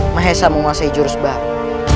mahesam menguasai jurus baru